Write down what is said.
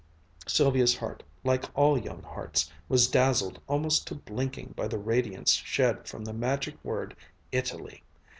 Sylvia's heart, like all young hearts, was dazzled almost to blinking by the radiance shed from the magic word Italy.